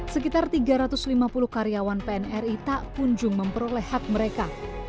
sekitar tiga ratus lima puluh karyawan pnri tak kunjung memperoleh hak mereka